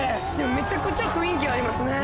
めちゃくちゃ雰囲気ありますね